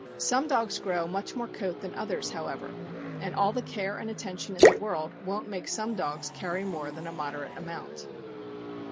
Some dogs grow much more coat than others, however, and all the care and attention in the world won't make some dogs carry more than a moderate amount.